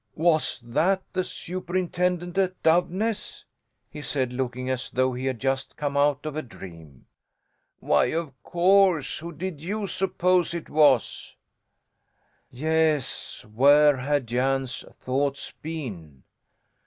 "Was that the superintendent at Doveness?" he said, looking as though he had just come out of a dream. "Why of course! Who did you suppose it was?" Yes, where had Jan's thoughts been?